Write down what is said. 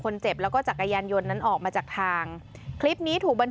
คนเจ็บแล้วก็จักรยานยนต์นั้นออกมาจากทางคลิปนี้ถูกบรร